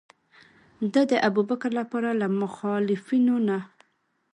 ده د ابوبکر لپاره له مخالفینو نه.